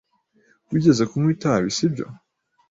Wigeze kunywa itabi, sibyo?